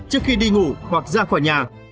trước khi đi ngủ hoặc ra khỏi nhà